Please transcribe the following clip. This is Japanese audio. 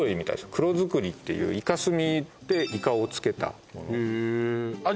黒作りっていうイカスミでイカを漬けたものへえあっ